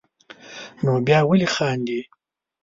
نو بیا ولې خاندې.